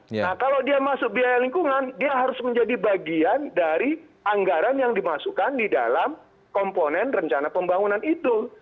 nah kalau dia masuk biaya lingkungan dia harus menjadi bagian dari anggaran yang dimasukkan di dalam komponen rencana pembangunan itu